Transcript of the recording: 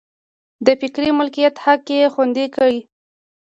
د فکري مالکیت حق یې خوندي کړي.